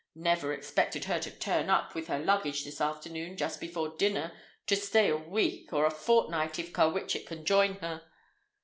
Never expected her to turn up with her luggage this afternoon just before dinner, to stay a week, or a fortnight if Carwitchet can join her."